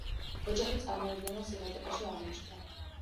ოჯახი წარმოუდგენელ სიღატაკეში აღმოჩნდა.